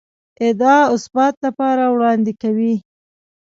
ادعا اثبات لپاره وړاندې کوي.